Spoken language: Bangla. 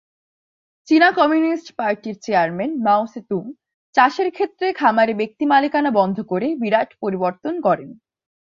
চীনা কমিউনিস্ট পার্টির চেয়ারম্যান মাও সে তুং, চাষের ক্ষেত্রে খামারে ব্যক্তি মালিকানা বন্ধ করে বিরাট পরিবর্তন করেন।